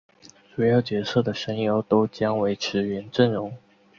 主要角色的声优都将维持原阵容。